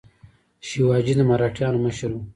شیواجي د مراتیانو مشر و.